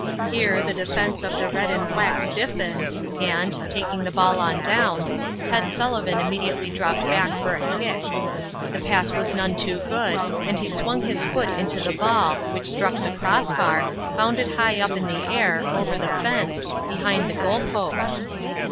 Here the defense of the Red and Black stiffened and, taking the ball on downs, Ted Sullivan immediately dropped back for a kick. The pass was none too good and he swung his foot into the ball, which struck the cross bar, bounded high up in the air, over the fence, behind the goal post.